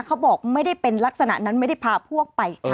เขาบอกไม่ได้เป็นลักษณะนั้นไม่ได้พาพวกไปค่ะ